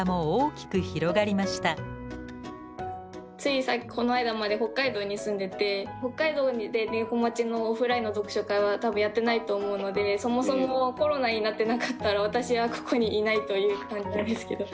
ついこの間まで北海道に住んでて北海道で猫町のオフラインの読書会は多分やってないと思うのでそもそもコロナになってなかったら私はここにいないという感じなんですけど。